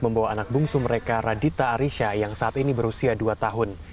membawa anak bungsu mereka radita arisha yang saat ini berusia dua tahun